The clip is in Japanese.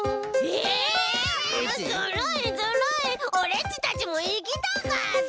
オレっちたちもいきたかった！